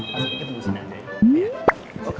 masih sedikit tunggu sini aja ya